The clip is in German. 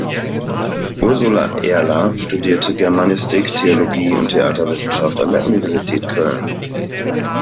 Ursula Erler studierte Germanistik, Theologie und Theaterwissenschaft an der Universität Köln.